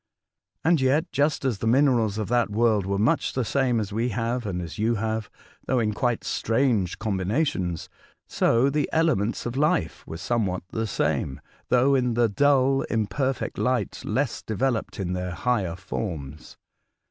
And yet, just as the minerals of that world were much the same as we have and as you have, though in quite strange combina tions, so the elements of life were somewhat the same, though in the dull, imperfect light, less developed in their 4iigher forms.